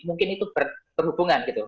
mungkin itu berhubungan gitu